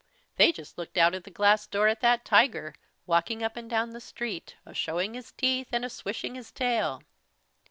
They just looked out of the glass door at that tiger, walking up and down the street, a showing his teeth and a swishing his tail.